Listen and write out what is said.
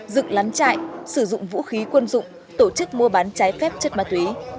dựng lán trại sử dụng vũ khí quân dụng tổ chức mua bán trái phép chất ma túy